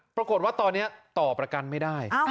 ปรากฏว่าตอนนี้ต่อประกันไม่ได้